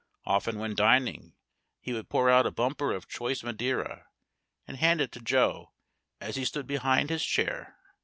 Often when dining, he would pour out a bumper of choice Madeira, and hand it to Joe as he stood behind his chair.